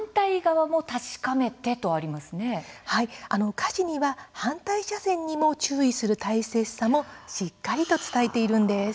歌詞には反対車線を注意する大切さもしっかり伝えているんです。